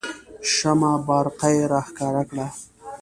شمه بارقه یې راښکاره کړه.